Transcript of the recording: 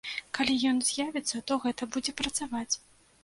Калі ён з'явіцца, то гэта будзе працаваць.